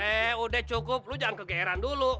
eh udah cukup lu jangan kegeran dulu